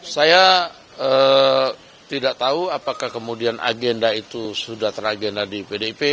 saya tidak tahu apakah kemudian agenda itu sudah teragenda di pdip